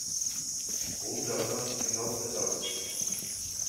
Бул жагынан кыйналып жатабыз.